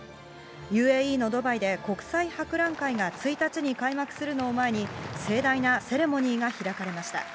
ＵＡＥのドバイで、国際博覧会が１日に開幕するのを前に、盛大なセレモニーが開かれました。